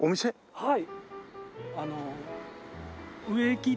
はい。